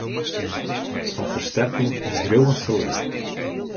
Fan fersterking is driuwend ferlet.